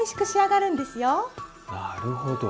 なるほど。